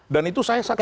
dan itu saya saksinya